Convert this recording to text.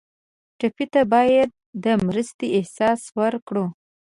ټپي ته باید د مرستې احساس ورکړو.